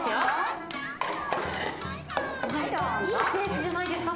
いいペースじゃないですか？